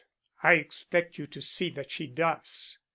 I expect you to see that she does.